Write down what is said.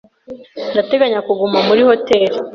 Ndateganya kuguma muri hoteri.